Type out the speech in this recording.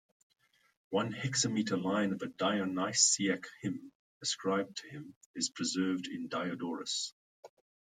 One hexameter line of a Dionysiac hymn, ascribed to him, is preserved in Diodorus.